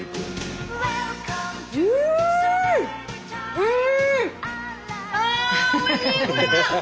うん！